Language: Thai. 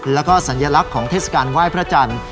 แล้วก็สัญลักษณ์ของเทศกาลไหว้พระจันทร์